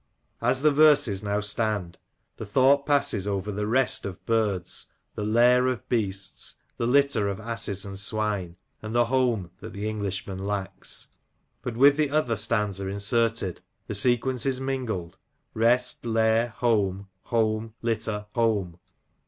As the verses now stand the thought passes THE MASK OF ANARCHY. 19 over the rest of birds, the lairoi beasts, the litter o{ asses and swine, and the home that the Englishman lacks. But, with the other stanza inserted, the sequence is mingled — rest^ lair, home, home, litter, home.